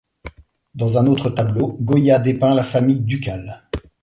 Dans un autre tableau, Goya dépeint la famille ducale.